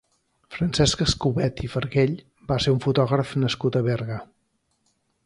Francesc Escobet i Farguell va ser un fotògraf nascut a Berga.